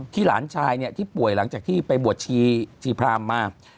หลานชายที่ป่วยหลังจากที่ไปบวชชีพรามมา